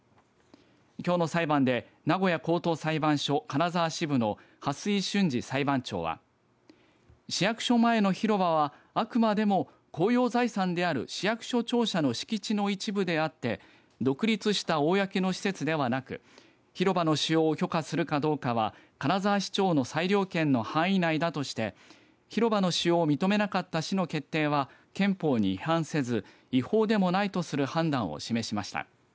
きょうの裁判で名古屋高等裁判所金沢支部の蓮井俊治裁判長は市役所前の広場はあくまでも公用財産である市役所庁舎の敷地の一部であって独立した公の施設ではなく広場の使用を許可するかどうかは金沢市長の裁量権の範囲内だとして広場の使用を認めなかった市の決定は憲法に違反せず違法でもないとする判断を示しました。